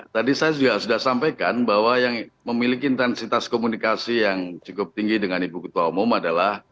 tadi saya juga sudah sampaikan bahwa yang memiliki intensitas komunikasi yang cukup tinggi dengan ibu ketua umum adalah